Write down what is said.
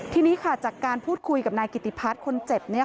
ทีนี้ค่ะจากการพูดคุยกับนายกิติพัฒน์คนเจ็บ